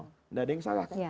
tidak ada yang salah